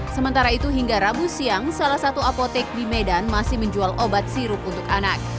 sementara itu hingga rabu siang salah satu apotek di medan masih menjual obat sirup untuk anak